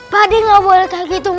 pak d gak boleh kayak gitu